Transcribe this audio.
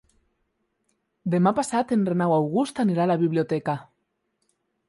Demà passat en Renat August irà a la biblioteca.